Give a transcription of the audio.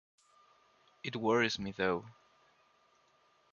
It worries me, though.